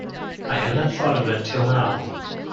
I have not thought of them till now.